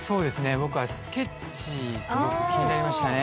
僕は「スケッチー」、すごく気になりましたね。